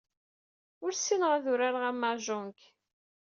Ur ssineɣ ad urareɣ amahjong.